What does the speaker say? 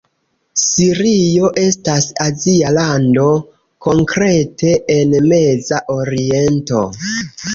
Sirio estas azia lando, konkrete en Meza Oriento.